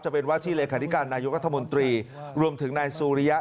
จะเป็นวาดที่รัฐมนตรีรวมถึงนายสุริยะ